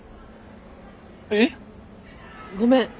えっ。ごめん！